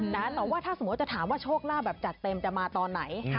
แต่ว่าถ้าสมมุติจะถามว่าโชคลาภแบบจัดเต็มจะมาตอนไหน